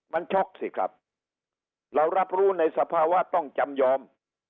มันช็อกสิครับเรารับรู้ในสภาวะต้องจำยอม